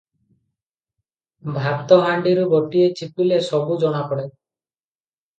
ଭାତହାଣ୍ତିରୁ ଗୋଟିଏ ଚିପିଲେ ସବୁ ଜଣାପଡ଼େ ।